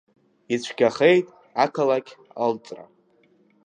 Ицәгьахеит ақалақь алҵра…